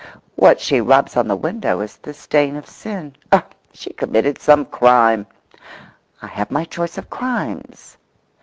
What she rubs on the window is the stain of sin. Oh, she committed some crime!I have my choice of crimes.